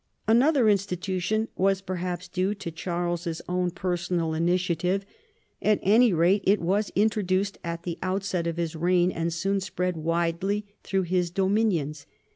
Another institution was perhaps due to Charles's own personal initiative ; at any rate it was intro duced at the outset of his reign, and soon spread widely through his dominions.